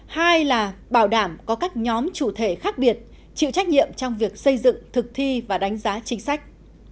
hai là bảo đảm có các nhóm chủ thể khác biệt chịu trách nhiệm trong việc xây dựng thực thi và đánh giá chính sách